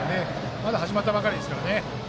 まだ始まったばかりですからね。